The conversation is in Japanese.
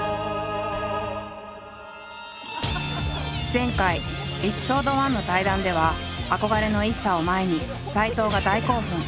前回エピソード１の対談では憧れのＩＳＳＡを前に斎藤が大興奮。